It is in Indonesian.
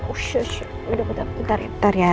udah bentar bentar ya